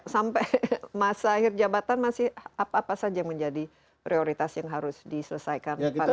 sampai masa akhir jabatan apa saja yang menjadi prioritas yang harus diselesaikan pak gub yang pr